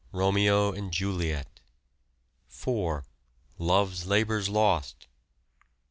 Romeo and Juliet. 4. Love's Labour's Lost.